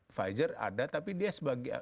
pfizer ada tapi dia sebagai